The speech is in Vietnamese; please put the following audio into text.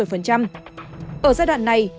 ở giai đoạn này